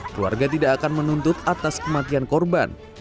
keluarga tidak akan menuntut atas kematian korban